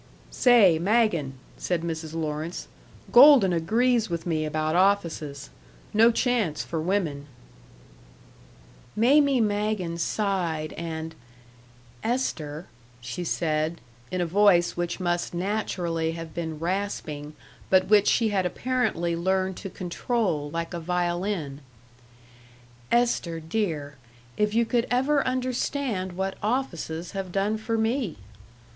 "Say, Magen," said Mrs. Lawrence, "Golden agrees with me about offices no chance for women " Mamie Magen sighed, and "Esther," she said, in a voice which must naturally have been rasping, but which she had apparently learned to control like a violin "Esther dear, if you could ever understand what offices have done for me!